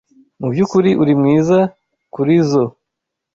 Mubyukuri uri mwiza kurizoi.